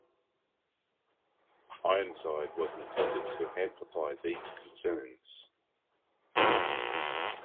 Ironside was intended to amplify these concerns.